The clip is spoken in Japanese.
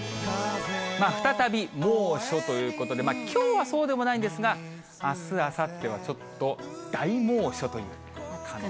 再び猛暑ということで、きょうはそうでもないんですが、あす、あさってはちょっと大猛暑という感じですね。